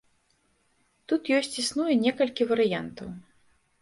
Тут ёсць існуе некалькі варыянтаў.